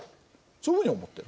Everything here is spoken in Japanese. そういうふうに思ってる。